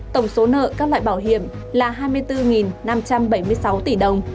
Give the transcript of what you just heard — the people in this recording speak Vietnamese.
tổng số nợ các loại bảo hiểm là hai mươi bốn năm trăm bảy mươi sáu tỷ đồng